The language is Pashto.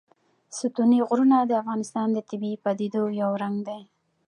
ستوني غرونه د افغانستان د طبیعي پدیدو یو رنګ دی.